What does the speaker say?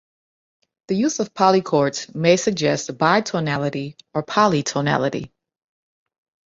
The use of polychords may suggest bitonality or polytonality.